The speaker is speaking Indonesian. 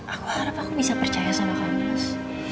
aku harap aku bisa percaya sama kamu nus